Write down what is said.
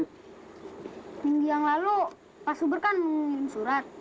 minggu yang lalu pak suber kan mengirim surat